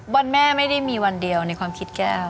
วันแม่ไม่ได้มีวันเดียวในความคิดแก้ว